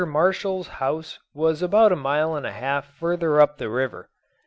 Marshall's house was about a mile and a half further up the river.